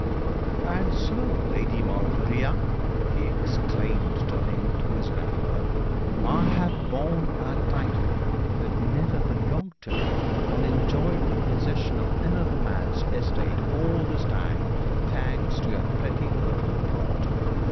'And so, Lady Maulevrier,' he exclaimed, turning to his grandmother, 'I have borne a title that never belonged to me, and enjoyed the possession of another man's estates all this time, thanks to your pretty little plot.